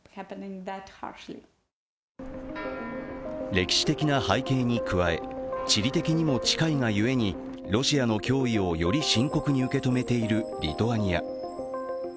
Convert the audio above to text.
歴史的な背景に加え、地理的にも近いがゆえにロシアの脅威をより深刻に受け止めているリトアニア。